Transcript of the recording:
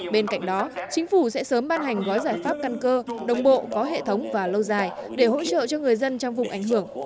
bên cạnh đó chính phủ sẽ sớm ban hành gói giải pháp căn cơ đồng bộ có hệ thống và lâu dài để hỗ trợ cho người dân trong vùng ảnh hưởng